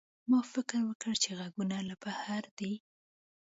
ما فکر وکړ چې غږونه له بهر دي.